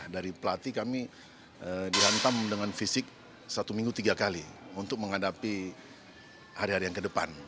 dari pelatih kami dihantam dengan fisik satu minggu tiga kali untuk menghadapi hari hari yang ke depan